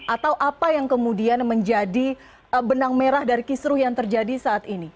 atau apa yang kemudian menjadi benang merah dari kisruh yang terjadi saat ini